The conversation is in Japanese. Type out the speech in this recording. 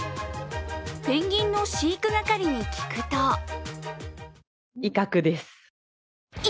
ペンギンの飼育係に聞くと威嚇？